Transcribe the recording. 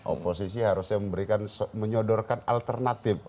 oposisi harusnya menyodorkan alternatif